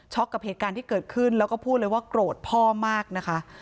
กับเหตุการณ์ที่เกิดขึ้นแล้วก็พูดเลยว่าโกรธพ่อมากนะคะ